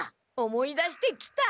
思い出してきた！